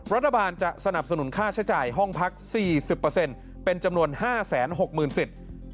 รัฐบาลจะสนับสนุนค่าใช้จ่ายห้องพักสี่สิบเปอร์เซ็นต์เป็นจำนวนห้าแสนหกหมื่นสิต